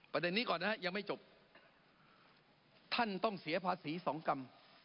ประเด็นนี้ก่อนนะฮะยังไม่จบท่านต้องเสียภาษีสองกรัม